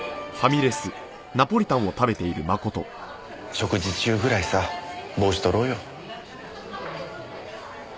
食事中ぐらいさ帽子とろうよ。